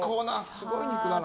すごい肉だな。